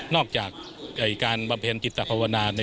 นอกจากการประเภนจิตภาวนา